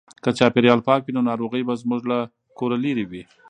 که چاپیریال پاک وي نو ناروغۍ به زموږ له کوره لیري وي.